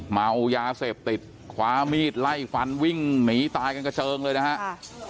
เมายาเสพติดคว้ามีดไล่ฟันวิ่งหนีตายกันกระเจิงเลยนะฮะ